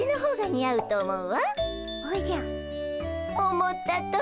思ったとおり！